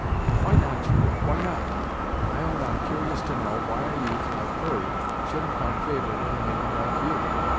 "Why not, Judith, why not? I own I'm cur'ous to know why a youth like Hurry shouldn't find favor with a maiden like you?"